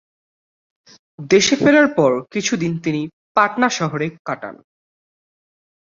দেশে ফেরার পর কিছু দিন তিনি পাটনা শহরে কাটান।